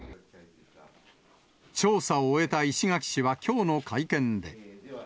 調査を終えた石垣市はきょうの会見で。